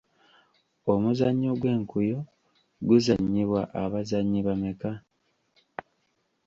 Omuzannyo gw'enkuyo guzanyibwa abazannyi bameka ?